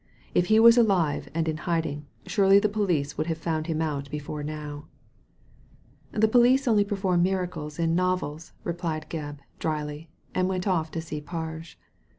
If he was alive and in hiding, surely the police would have found him out before now." '* Th s^police only perform miracles in nove ls" replied Gebb, dryly, and went off to see Parge.